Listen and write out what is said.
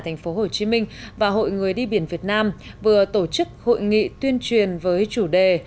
thành phố hồ chí minh và hội người đi biển việt nam vừa tổ chức hội nghị tuyên truyền với chủ đề